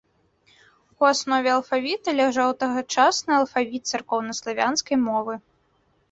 У аснове алфавіта ляжаў тагачасны алфавіт царкоўнаславянскай мовы.